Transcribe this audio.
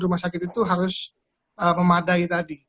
rumah sakit itu harus memadai tadi